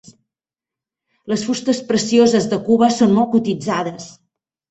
Les fustes precioses de Cuba són molt cotitzades.